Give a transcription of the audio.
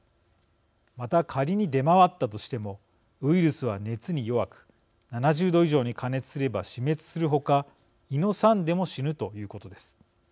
また、仮に出回ったとしてもウイルスは熱に弱く７０度以上に加熱すれば死滅する他胃の酸でも死ぬということです。